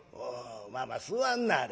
まあまあ座んなはれ。